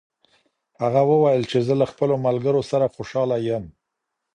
هغه وویل چې زه له خپلو ملګرو سره خوشحاله یم.